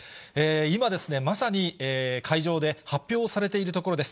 今、まさに、会場で発表されているところです。